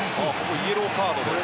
イエローカードです。